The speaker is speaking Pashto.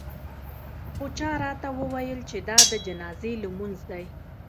خو چا راته وویل چې دا د جنازې لمونځ دی.